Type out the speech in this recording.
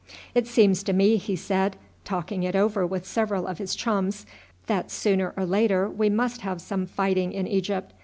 "It seems to me," he said, talking it over with several of his chums, "that sooner or later we must have some fighting in Egypt.